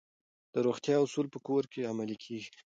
د روغتیا اصول په کور کې عملي کیږي.